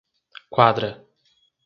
Quadra